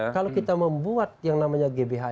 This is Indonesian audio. kalau kita membuat yang namanya gbhn